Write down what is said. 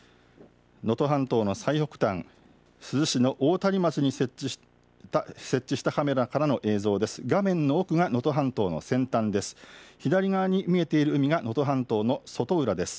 能登半島の最北端、珠洲市の大谷町に設置したカメラからの映像です。